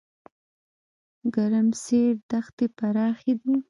ګرمسیر دښتې پراخې دي؟